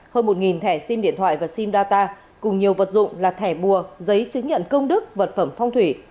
hơn một thẻ sim điện thoại và sim data cùng nhiều vật dụng là thẻ bùa giấy chứng nhận công đức vật phẩm phong thủy